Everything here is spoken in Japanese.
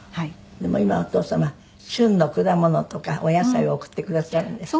でも今お父様旬の果物とかお野菜を送ってくださるんですって？